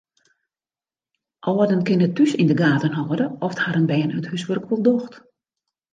Alden kinne thús yn de gaten hâlde oft harren bern it húswurk wol docht.